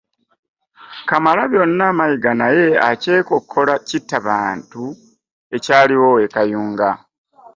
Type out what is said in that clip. Kamalabyonna Mayiga naye akyekkola kitta bantu ekyaliwo e Kuyunga.